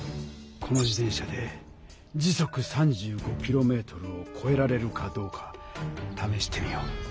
この自転車で時速３５キロメートルをこえられるかどうかためしてみよう。